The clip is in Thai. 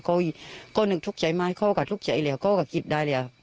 ก็นึกทุกข์ใจมากก็กระทุกข์ใจแล้วก็กระกิบได้แล้ว